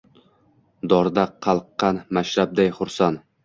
Dorda qalqqan Mashrabday hursan.